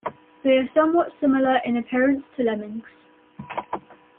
They are somewhat similar in appearance to lemmings.